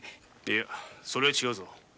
いやそれは違うぞ。